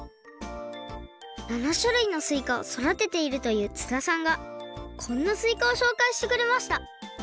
７しゅるいのすいかをそだてているという津田さんがこんなすいかをしょうかいしてくれました